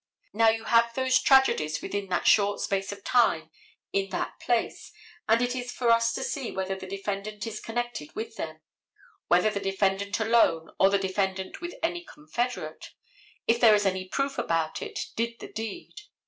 Now you have those tragedies within that short space of time in that place, and it is for us to see whether the defendant is connected with them: whether the defendant alone or the defendant with any confederate, if there is any proof about it, did the deed.